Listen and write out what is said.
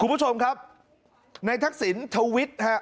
คุณผู้ชมครับในทักษิณทวิทย์ฮะ